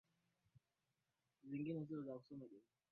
pamoja na Wachina waliotafuta kazi hasa Kalifornia